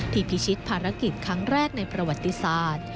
พิชิตภารกิจครั้งแรกในประวัติศาสตร์